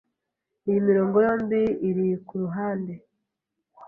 Iyi mirongo yombi iri kuruhande.